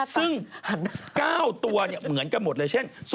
ซึ่ง๙ตัวเหมือนกันหมดเลยเช่น๐๘๘๘๘๘๘๘๘